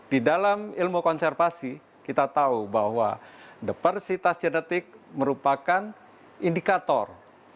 di dalam ilmu konservasi kita tahu bahwa depersitas genetik merupakan indikator